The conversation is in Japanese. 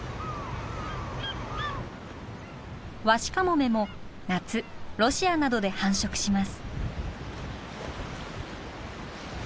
ワシカモメも夏ロシアなどで繁殖します。